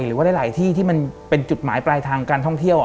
หรือว่าหลายที่ที่มันเป็นจุดหมายปลายทางการท่องเที่ยว